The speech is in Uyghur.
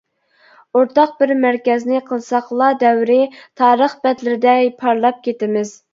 ئورتاق بىر مەركەزنى قىلساقلا دەۋرى، تارىخ بەتلىرىدە پارلاپ كېتىمىز!